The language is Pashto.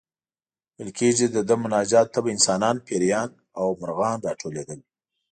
ویل کېږي د ده مناجاتو ته به انسانان، پېریان او مرغان راټولېدل.